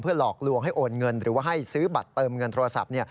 หลอกลวงให้โอนเงินหรือว่าให้ซื้อบัตรเติมเงินโทรศัพท์